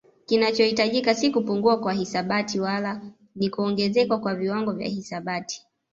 Kinachohitajika si kupungua kwa hisabati wala ni kuongezeka kwa viwango vya hisabati